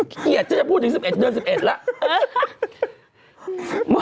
เกลียดฉันจะพูดถึง๑๑เดือน๑๑แล้ว